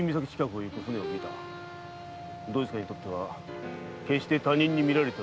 どいつかにとっては決して他人に見られては困る船だ。